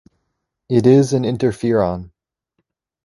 It is an interferon.